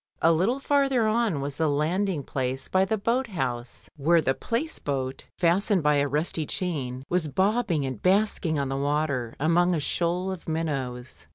A little farther on was the landing place by the 164 MRS. DYMOND. boat house, where the Place boat fastened by a rusty chain was bobbing and basking on the water among a shoal of minnows.